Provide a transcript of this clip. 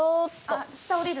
あ下下りる？